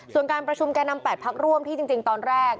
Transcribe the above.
ส่วนการประชุมแก่นำ๘พักร่วมที่จริงตอนแรก